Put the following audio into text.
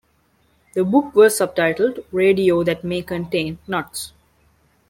The book was subtitled "Radio That May Contain Nuts".